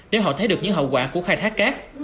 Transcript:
để họ thấy được những hậu quả của khai thác cát